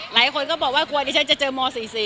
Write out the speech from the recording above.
หลายคนก็บอกว่ากลัวดิฉันจะเจอม๔๔